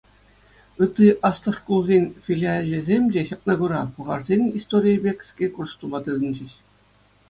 Ытти аслӑ шкулсен филиалӗсем те, ҫакна кура, пӑлхарсен историйӗпе кӗске курс тума тытӑнчӗҫ.